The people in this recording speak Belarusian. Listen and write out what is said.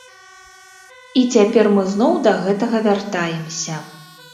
І цяпер мы зноў да гэтага вяртаемся.